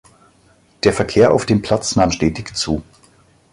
Der Verkehr auf dem Platz nahm stetig zu.